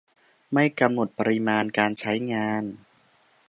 ไม่กำหนดปริมาณการใช้งาน